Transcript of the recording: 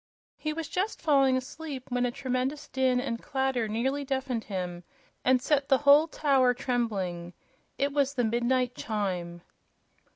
He was just falling asleep when a tremendous din and clatter nearly deafened him, and set the whole tower trembling. It was the midnight chime.